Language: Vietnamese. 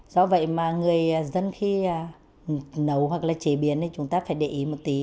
do vậy mà người dân khi nấu hoặc là chế biến thì chúng ta phải để ý một tí